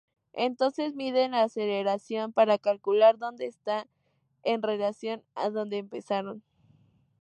Entonces miden la aceleración para calcular dónde están en relación a donde empezaron.